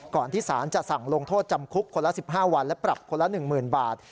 ที่สารจะสั่งลงโทษจำคุกคนละ๑๕วันและปรับคนละ๑๐๐๐บาท